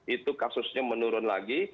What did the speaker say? itu kasusnya menurun lagi